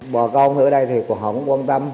bà con ở đây thì họ không quan tâm